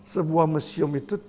sebuah museum itu